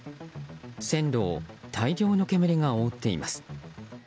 線路を大量の煙が覆っています。